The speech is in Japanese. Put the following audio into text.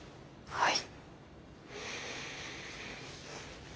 はい。